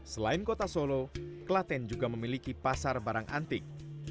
selain kota solo klaten juga memiliki pasar barang antik